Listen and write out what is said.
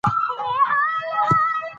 د دفتر چارې په امانتدارۍ ترسره کړئ.